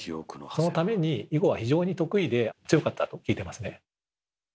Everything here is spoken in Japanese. そのために囲碁は得意で強かったと聞いてますね。